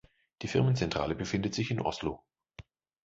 Die Firmenzentrale befindet sich in Oslo.